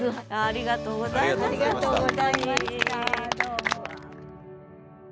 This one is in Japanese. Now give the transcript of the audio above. ありがとうございましたどうも。